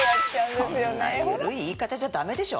そんな緩い言い方じゃ駄目でしょ。